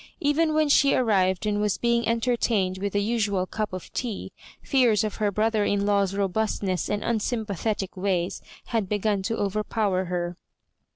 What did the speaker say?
Even when she arrived, and was being entertained with the usual cup of tea, fears of her brother in law'a robustness and unsympathetic ways had begun to overpower her.